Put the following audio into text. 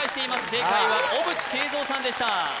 正解は小渕恵三さんでした